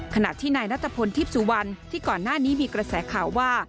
ขณะที่นายนัทพลทิพย์สุวรรณที่ก่อนหน้านี้มีกระแสข่าวว่า